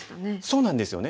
そうなんですよね。